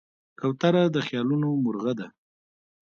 کوتره د خیالونو مرغه ده.